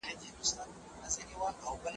ماشوم په خوب کې یوه خوږه موسکا وکړه.